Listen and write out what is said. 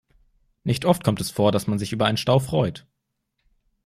Nicht oft kommt es vor, dass man sich über einen Stau freut.